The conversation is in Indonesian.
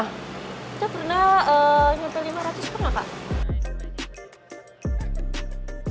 kita pernah nyata lima ratus pernah kak